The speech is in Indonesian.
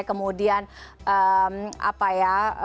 kemudian apa ya